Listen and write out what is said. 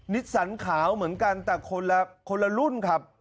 นิสสันขาวเหมือนกันแต่คนละรุ่นครับ